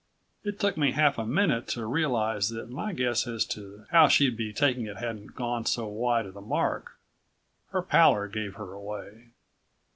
It took me half a minute to realize that my guess as to how she'd be taking it hadn't gone so wide of the mark. Her pallor gave her away.